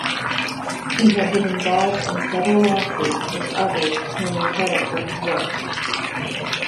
He had been involved in several lawsuits with others claiming credit for his work.